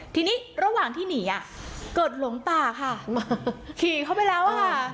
ทีนี้ระหว่างที่หนีอ่ะเกิดหลงป่าค่ะขี่เข้าไปแล้วอะค่ะ